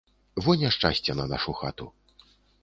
Во няшчасце на нашу хату.